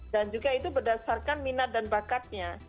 dan juga itu berdasarkan minat dan bakatnya